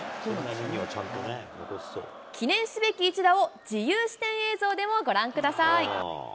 記念すべき一打を、自由視点映像でもご覧ください。